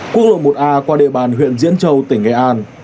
quốc lộ một a qua địa bàn huyện diễn châu tỉnh nghệ an